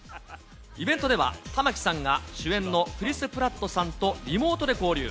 イベントでは、玉木さんが主演のクリス・プラットさんとリモートで交流。